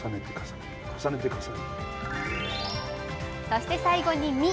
そして最後に身。